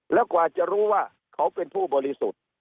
แล้วกว่าจะรู้ว่าเขาเป็นผู้บริสุทธิ์